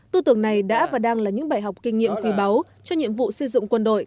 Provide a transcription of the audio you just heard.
tư tưởng này đã và đang là những bài học kinh nghiệm quý báu cho nhiệm vụ xây dựng quân đội